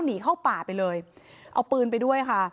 หนีเข้าป่าไปเลยเอาปืนไปด้วยค่ะ